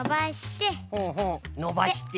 のばして。